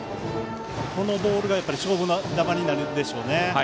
このボールが勝負球になるんでしょうね。